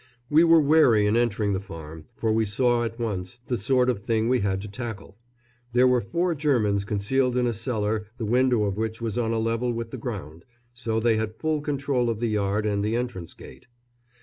We were wary in entering the farm, for we saw at once the sort of thing we had to tackle. There were four Germans concealed in a cellar the window of which was on a level with the ground, so they had full control of the yard and the entrance gate.